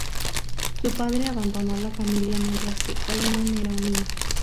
Su padre abandonó la familia mientras que Coleman era un niño.